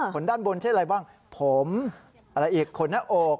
ขนด้านบนใช่อะไรบ้างผมอะไรอีกขนออก